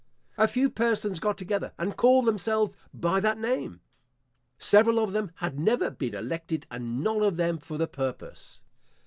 A few persons got together, and called themselves by that name. Several of them had never been elected, and none of them for the purpose.